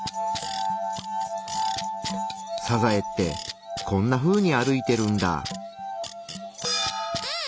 サザエってこんなふうに歩いてるんだ。